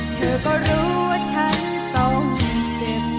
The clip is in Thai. เธอก็รู้ว่าฉันต้องเจ็บ